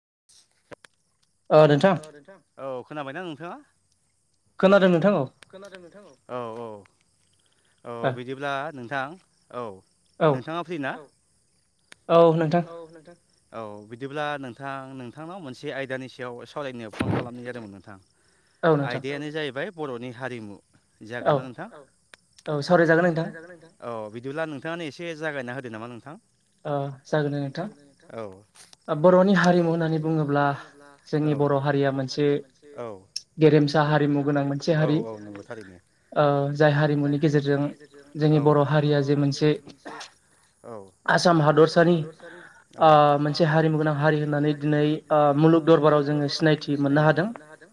[inaudible] ओ नोंथां। औ खोनाबायना नोंथाङा? खोनादों। खोनादों नोंथां औ औ औ बिदिब्ला नोंथां औ नोंथाङा फ्रि ना? औ नोंथां औ बिदिब्ला नोंथां नोंथांनाव मोनसे आयदानि सा याव सावरायनायाव फन खालामनाय जादोंमोन नोंथां आयदायानो जाहैबाय बर'नि हारिमु। जागोन ना नोंथां औ औ सावागोन नोंथां औ बिदि बिदिब्ला नोंथाङानो एसे जागायना होदो नामा नोंथाङा जागोन दे नोंथां बर'नि हारिमु होननानै बुङोब्ला जोंनि बर' हारिया मोनसे औ गेरेमसा हमु औ औ नंबोथारैनो जाय हारिमुनि गेजेरजों जोंनि बर' हारिया जे मोनसे आसाम हादर हादरसानि औ मोनसे हारिमु गोनां हारि होननानै दिनै मुलुग दरबाराव जोङो सिनायथि मोननो हादों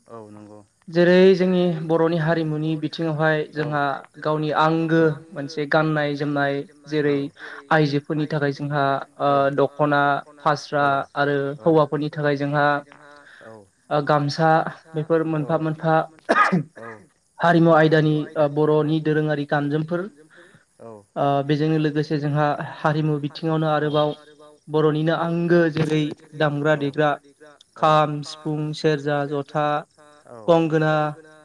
जेरै जोंनि बर'नि हारिमुनि बिथिङावहाय जोंहा गावनि आंगो मोनसे गान गाननाय जोमनाय जेरै आइजोफोरनि थाखाय जोंहा दख'ना ओ औ आरो हौवाफोरनि थाखाय जोंहा गामसा मोनफा मोनफा हारिमु आयदानि बर'नि दोरोङारि गानजोमफोर ओ बेजोंनो लोगोसे जों ओ हारिमु बिथिङावनो आरोबाव बर'निनो बर'निनो आंगो जेरै दामग्रा देग्रा खाम सिफुं सेरजा जथा गंगोना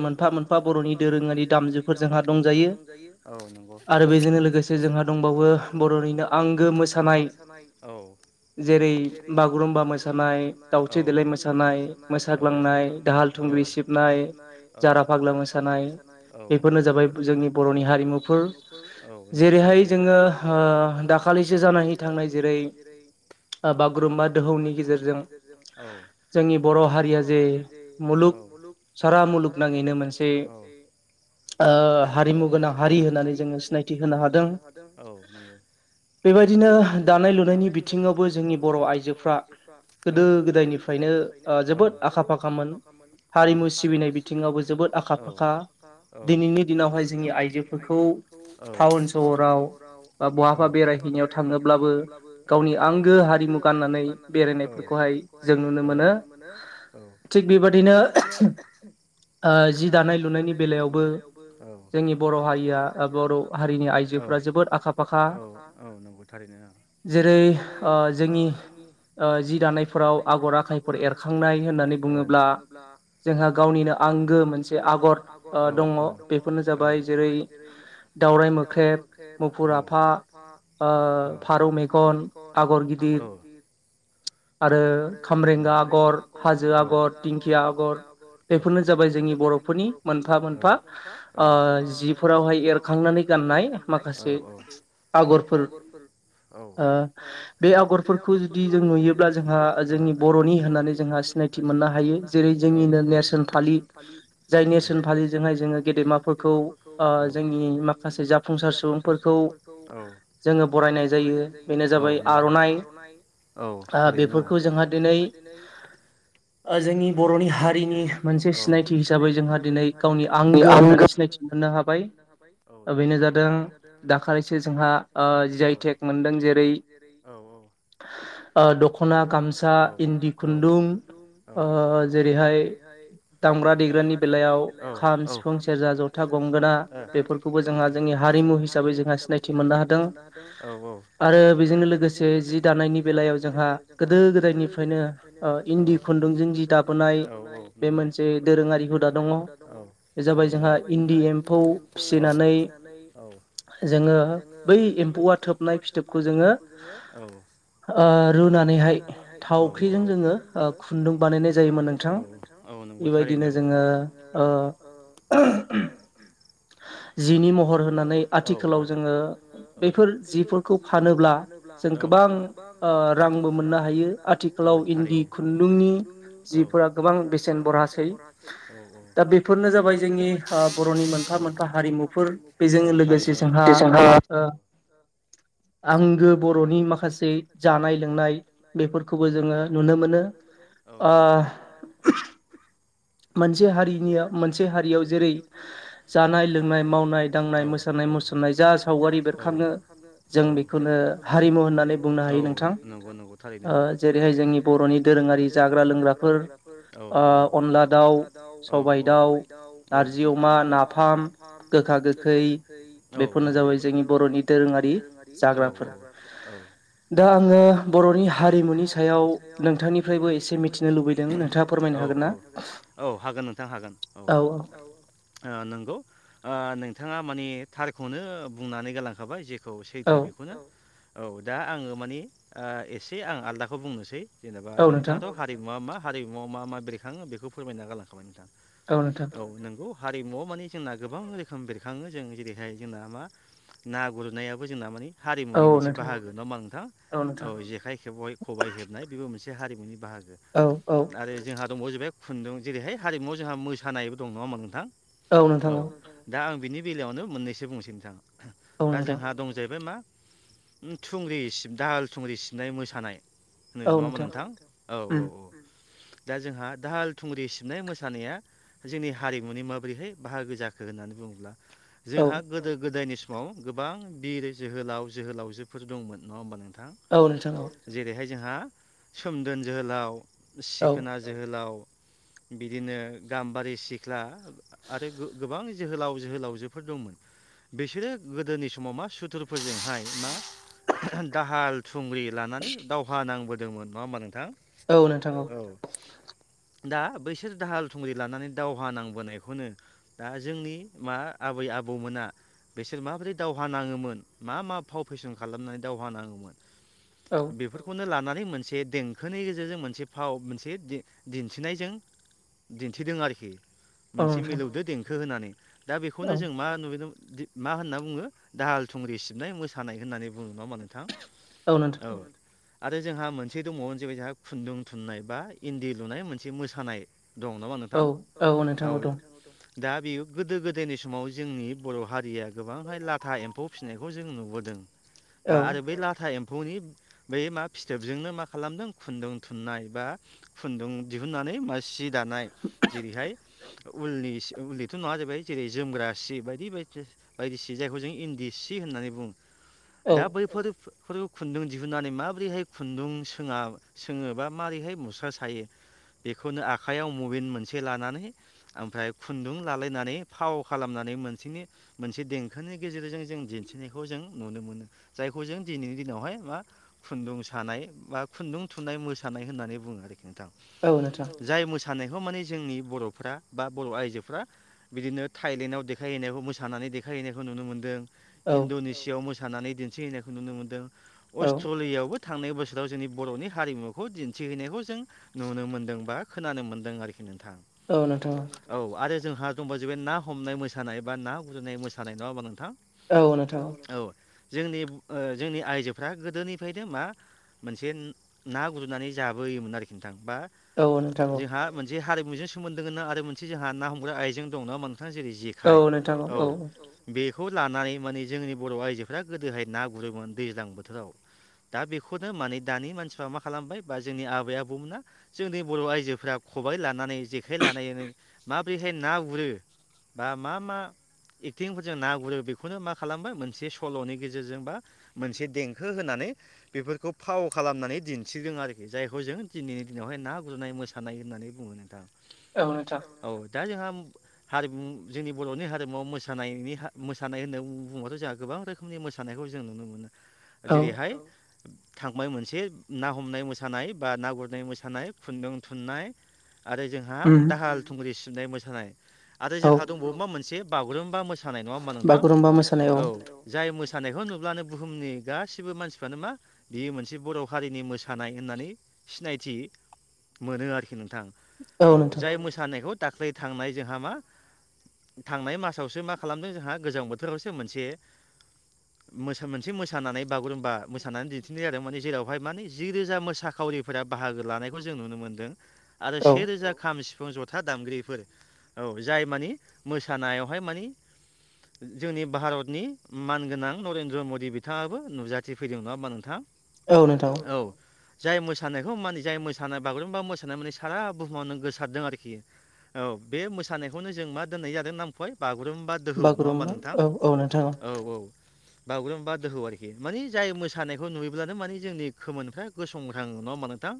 बैफोर मोनफा मोनफा बर'नि दोरोङारि दामजुफोर जोंहा दंजायो औ नंगौ आरो बेजोंनो लोगोसे जोंहा दंबावो आंगो मोसानाय औ जेरै बागुरुम्बा मोसानाय दावस्रि देेलाय मोसानाय मोसाग्लांनाय दाहाल थुम दाल थुंग्रि सिबनाय जारा फाग्ला मोसानाय बेफोरनो जाबाय जोंनि बर'नि हारि जेरैहाय जोङो दाखालिसो जानानै थांनाय जेरै जेरै बागुरुम्बा दोहौनि गेजेरजों जोंनि बर' हारिया जे मुलुग सारा मुलुगनाङैनो मोनसे हारिमु गोनां हारि होननानै जोङो सिनायथि होनो हादों औ नंगौ बेबायदिनो दानाय लुनायनि गोदायनि बिथिङावबो जोंनि बर' आइजोफ्रा गोदो गोदायनिफ्रायनो जोबोद आखा फाखा हारिमु सिबिनाय बिथिङावबो जों आखाा फाखा दिनैनि दिनावहाय जोंनिइ औ टावन सहराव बा बहाबा बेरायहैनायाव थाङोब्लाबो गावनि आंगो हारिमु गाननानै बेरायनायफोरखौहाय जों नुनो मोनो थिग बेबायदिनो जि दानाय लुनायनि बेलायावबो जोंनि बर' हारिया बर' हारिनि आइजो फोर्रा जोबोद आखा फाखा औ औ नंगौ थारैनो आ जेरै जोंनि जि दानायफोराव आगर आखाइफोर एरखांनाय होननानै बुङोब्ला जोंहा गावनिनो आंगो मोनसे आगर दङ बेफोरनो जाबाय जेरै दावराय मोख्रेब मुफुर आफा फारौ मेगं फारौ मेगन आगर गिदिर आरो खामबरेंगा आगर हाजो आगर दिंखिया आगर बेफोरनो जाबाय जोंनि बर'फोरनि मोनफा मोनफा जिफोरावहाय एरखांनानै गाननाय माखासे आगरफोर बे आगरफोरखौ जुदि जों नुयोब्ला जोंहा जोंनि बर'नि होननानै जोंहा सिनायथि मोननो हायो जेरै जोंनिनो नेेरसन थ लि नेरसोन फालिजोंहाय जोङो गेदेमाफोरखौ जोंनि माखासे जाफुंसार सोर सुबुंफोरखौ फोरखौ जोङो बरायनाय जायो बे जाबाय आर'नाइ औ थारैनो औ बेफोरखौ जोंहा दिनै जोंनि बर'नि हारिनि मोनसे सिनायथि हिसाबै जोंहा दिनै आंगो होननानै सिनायथि मोननो हाबाय औ नंगौ थारनो जादों दाखालिसो जोंहा जि आइ तेक मोनदों जेरै दख'ना फास्रा खुन्दुं जेरैहाय दामग्रा देग्रानि बेलायाव खाम सिफुं सेरजा जथा गंगोना बेफोरखौबो जोंहा जोंनि हारि हिसाबै जोंहा जोंहा सिनायथि मोननो हादों औ आरो बेजोंनो लोगोसे जि दानायनि बेलायाव जोंहा गोदो गोदायनिफ्रायनो इन्दि खुन्दुंजों जि दानाय बे मोनसे दोरोंङारि हुदा दङ जाबाय जोंहा इन्दि एम्फौ खौ फिनानै औ जोंङो बै एम्फौआ थोबनाय फिथोबखौ जोंङो रुनानैहाय थावख्रिजों जोंङो खुन्दुं बानायनाय जायोमोन नोंथां बेबायदिनो जोंङो ओ जिनि महर होनानै आथिखाल आथिखालाव जोंङो बेफोर जिफोरखौ फानोब्ला जों गोबां गोबां ओ रांबो मोननो हायो आथिखालाव इन्दि खुन्दुंनि जिफोरा गोबां बेसेन बरासै दा बेफोरनो जाबाय जोंनि [unintelligible] मोनफा मोनफा हारिमु बेजों लोगोसे जोंहा ओ आंगो बर'नि माखासे जानाय लोंनाय बेफोरखौबो जोंङो नुनो मोनो ओ मोनसे हारिनि ओ मोनसे हारियाव जेरै जानाय लोंनाय मावनाय दांनाय मोसानाय मुसुरनाय जा सावगारि बेरखांङो जों बेखौ जों बेखौनो हारिमु होननो बुङो नोंथां ओ जेरैहाय जोंनि बर'नि दोरोंङा जाग्रा लोंग्राफोर औ औ ओ अनला दाउ औ औ सबाय दाउ औ नारजि अमा नाफाम गोखा गोखै बेफोरनो जाबाय जोंनि बर'नि दोरोङारि औ जा औ जाग्राफोरा औ दा आंङो बर'नि हारिमुनि सायाव नोंथांनिफ्रायबो एसे मिथिनो लुबैदोंमोन आरो औ औ औ हागोन नोंथां हागोन औ नंगौ ओ नोंथांङा माने थारखौनो बुंनानै गालांखाबाय जेखौ सैथो बेखौ औ दा आंङो माने ओ एसे आं आलदाखौ बुंनोसै जेनबा नोंथाङाथ' हारिमुवा मा हारिमुवाव मा मा बेरखांङो बेखौ फोरमायना गालांखाबाय नोंथा औ नंगौ हारिमुवआव माने जोंना गोबां रोखोम बेरखांङो जों जेरैहाय जोंना मा ना गुरनायाबो जोंना माने हारिमुनि मोनसे बाहागो ना मा नोंथां औ जेखाइ खेबबाय खबाय हेबनाय बेबो मोनसे से हारिमुनि बाहागो आरो जोंहा दंबावोजोबबाय खुन्दुं जेरैहाय हारिमुआव जोंहा मोसानायबो दं नङा नोंथां औ दा आं बिनि बे बेलायावनो मोननैसो बुंसै नोंथां दा जोंहा दं जाहैबाय मा थुंग्रि सिब दाल थुंग्रि सिबनाय मोसानाय होनो नंङा होमा नोंथां औ औ औ दा जोंहा दाहाल थुंग्रि सिबनाय मोसानाया जोंनि हारिमुनि माबोरैहाय बाहागो जाखो होननानै बुंङोब्ला जोंहा गोदो गोदायनि समाव गोबां बिर जोहोलाव जोहोलावजोफोर दंमोन नंङा होमबा नोंथांङा औ जेरैहाय जोंहा सोमदोन जोहोलाव, सिखोना जोहोलाव बिदिनो गाम्बारि सिख्ला आरो गोबां जोहोलाव जोहोलावजोफोर दंमोन। बिसोरो गोदोनि समाव मा सुथुरफोरजोंहाय मा दाहाल थुंग्रि लानानै दावहा नांबोदोंमोन नंङा होमबा नोंथां औ औ दा बैसोर दाहाल थुंग्रि लानानै दावहा नांबोनायखौनो दा जोंनि मा आबै आबौमोना बिसोर माबोरै दावहा नांङोमोन मा मा फाव फेसन खालामनानै दावहा नांगौमोन बेफोरखौनो लानानै बै मोनसे देंखोनि गेजेरजों मोनसे फाव मोनसे दि-दिन्थिनायजों दिन्थिदों आरोखि मोनसे मिलौदो देंखो होनानै दा बेखौनो जों मा नुदों दि मा होनना बुङो दाहाल थुंग्रि सिबनाय मोसानाय होननानै बुङो नङा होमा नोंथां? औ नोथां आरो जोंहा मोनसे दङ' जैबाय जोंहा खुन्दुं थुननाय बा इन्दि लुनाय मोनसे मोसानाय। औ औ नोंथां दं दा बेयो गोदो गोदायनि समाव जोंनि बर' हारिया गोबांहाय लाथा एम्फौ फिसिनायखौ जों नुबोदों। दों बा आरो बै लाथा एमफ फौनि बै मा फिथोबजोंनो मा खालामदों खुन्दुं थुननाय बा खुन्दुं दिहुननानै मो सि दानाय जेरैहाय उलनि सि उलनिथ' नङा जाहैबाय जेरै जोमग्रा सि बायदि बायदि बायदि सि जायखौ जों इन्दि सि होननानै बुङो। दा बैफोर बेफोरखौ खुन्दुं दिहुननानै माब्रैहाय खुन्दुं सोङा सोङोबा माबोरैहाय मुस्रा सायो बेखौनो आखाइयाव मबिन मोनसे लानानै ओमफ्राय खुन्दुं लालायनानै फाव खालामनानै नै मोनसेनि मोनसे देंखोनि गेजेरजों जों दिन्थिनायखौ जों नुनो मोनो। जायखौ जों दिनैनि दिनावहाय मा खुन्दुं सानाय बा खुन्दुं थुननाय मोसानाय नाय होननानै बुङो आरोखि नोंथां। जाय मोसा मोसानायखौ माने जोंनि बर'फ्रा बा बर' आइजोफ्रा बिदिनो थाइलेण्डआव देखायहैनायखौ मोसानानै देखायहैनायखौ नुनो मोनदों। इणड'नेसियाआव मोसानानै दिन्थिहैनायखौ नुनो मोनदों अस्ट्र'लियायावबो थांनाय बोसोर राव जोंनि बर'नि हारिमुखौ दिन्थिहैनायखौ जों नुनो मोन्दों बा खोनानो मोनदों आरोखि नोंथां। औ आरो जोंहा दंबा जैबाय ना हमनाय मोसानाय बा ना गुजुनाय मोसानाय नङा होमबा नोंथां? औ नोंथां। जोंनि ब ओ जोंनि आइजोफ्रा गोदोनिफ्रायनो मा मोनसे ना गुरनानै जा जाबोयोमोन आरोखि नोंथां। बा जोहा मोनसे हारिमुजों सोमोन्दो गोनां आरो मोनसे जोहा ना हमग्रा आइजों दं नङा होमबा नो थां। जेरै जेखाइ औ बेखौ लानानै माने जोंनि बर' आइजोफ्रा गोदोहाय ना गुरोमोन दैज्लां बोथोराव दा बेखौनो माने दानि मानसिफ्रा मा खालामबाय बा जोंनि आबै आबौमोना जोंनि बर' आइजोफ्रा खबाइ लानानै जेखाइ लानानै माबोरैहाय ना गुरो बा मा मा एक्टिंफोरजों ना गुरो बेखौनो मा खालामबाय मोनसे मोनसे सल'नि गेजेरजों बा मोनसे देंखो होनानै बेफोरखौ फाव खालामनानै दिन्थिदों आरोखि। जायखौ जों दिनैनि दिनावहाय ना गुरनाय मोसानाय होननानै बुङो नोंथां। औ दा जोंहा हारिमु जोंनि बर'नि हारिमुवाव मोसानायनि मोसानाय होनना बुंबाथ' जाहा गोबां रोखोमनि मोसानायखौ जों नुनो मोनो ओ जेरैहाय थांबाय मोनसे ना हमनाय मोसानाय बा ना गुरनाय मोसानाय खुन्दुं थुननाय आरो जोहा दाहाल थुंग्रि सिबनाय मोसानाय आरो जोहा दंबावो मा मोनसे बागुरुम्बा मोसानाय। नायनाय नङा होमबा नोंथां? औ। जाय मोसानायखौ नुब्लानो बुहुमनि गासिबो मानसिफ्रानो मा बियो मोनसे बर' हारिनि मोसानाय होननानै नै सिनायथि मोनो आरोखि नोंथां। औ जाय मोसानायखौ दाख्लै थांनाय जोहा मा थांनाय मासावसो मा खालामदों जोहा गोजां बोथोरावसो मोनसे मोस मोनसे मोसानानै बागुरुम्बा मोसानानै दिन्थिनाय जादों। माने जेरावहाय माने जि रोजा मोसाखावरिफोरा बाहागो लानायखौ जों नुनो मोनदों। आरो सेेरोजा खामसि बिफां जथा दामगगिरिफोर औ जाय मानि मोसानायावहाय मानि जोंनि भारतनि मानगोनां नरेन्द्र मदि बिथाङाबो नुजाथिफैदों नङा होमबा नोंथां औ नोंथां औ। जाय मोसानायखौ मानि जाय मोसानाय बागुरुम्बा मोसानाय माने सारा बुहुमावनो गोसारदों आरोखि औ बे मोसानायखौनो जों मा दोननाय जादों नामफय बागुरुम्बा दोहौ नङा होमबा नोंथां। औ औ। बागुरुम्बा दोहौ आरोखि माने जाय मोसानायखौ नुयोब्लानो माने जोंनि खोमोनफ्रा गसंग्राङो नङा होमबा नों थां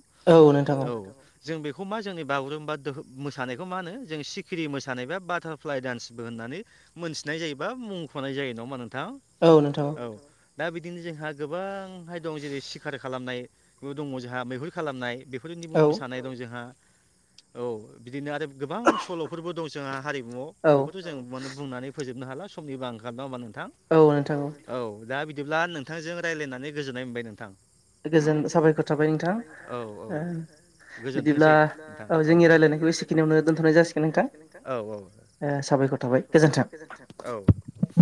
औ। जों बेखौ मा जोंनि बागुरुम्बा दोह मोसानायखौ मा होनो जों सिखिरि मोसानाय बा बाटारफ्लाइ दान्सबो होनो। नानै मोनसिनाय जायोबा मुं खनाय जायो नङाामा नोंथां। औ दा बिदिनो जोंहा गोबां हैयद जेरै' सिखार खालामनाय दङ जोंहा मैहुर खालामनाय बेफोरनिबो मोसानाय दं जोंहा। औ बिदिनो आरो गोबां सल'फोरबो दं। जोंहा हारि दुङ बेखौजों [unintelligible] बुंनानै फोजोबनो हाला समनिबा आंखाल नङा होमबा नों नोंथां औ दा बिदिब्ला नोंथांजों रायज्लायनानै गोजोननाय मोनबाय नोंथां। गोजोन साबायखर थाबाय नोंथां। औ औ गोजोनथोंसै नोंथां। औ जोंनि रायायनायखौखिनियावनो दोनथ'नाय जासिगोन नोंथां। औ औ साबायखर थाबाय गोजोन्थों औ